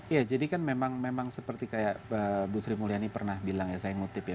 ya jadi kan memang seperti kayak bu sri mulyani pernah bilang ya saya ngutip ya